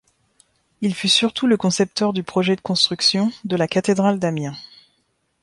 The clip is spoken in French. Il fut surtout le concepteur du projet de construction de la cathédrale d'Amiens.